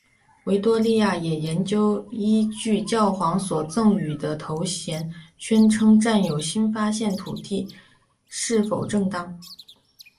维多利亚也研究依据教皇所赠与的头衔宣称占有新发现土地是否正当。